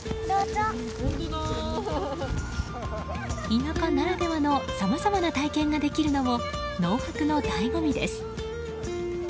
田舎ならではのさまざまな体験ができるのも農泊の醍醐味です。